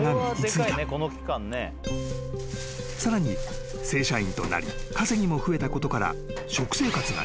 ［さらに正社員となり稼ぎも増えたことから］